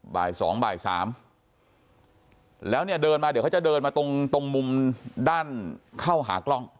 บ่าย๒บ่าย๓แล้วเนี่ยเดินมาเดี๋ยวเขาจะเดินมาตรงตรงมุมด้านเข้าหากล้อง